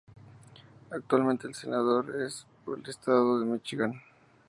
Actualmente es senador por el estado de Míchigan.